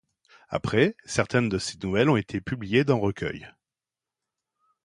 Après, certaines de ses nouvelles ont été publiées dans recueils.